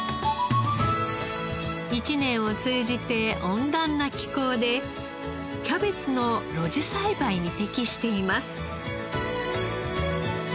１年を通じて温暖な気候でキャベツの路地栽培に適しています。